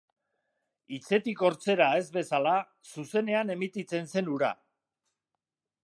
Hitzetik Hortzera ez bezala, zuzenean emititzen zen hura.